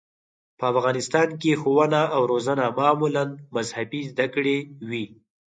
په افغانستان کې ښوونه او روزنه معمولاً مذهبي زده کړې وې.